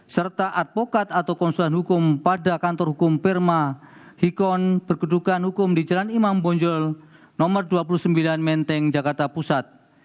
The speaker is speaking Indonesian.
serta advokat atau konsultan hukum pada kantor hukum perma hikon berkedukan hukum di jalan imam bonjol nomor dua puluh sembilan menteng jakarta pusat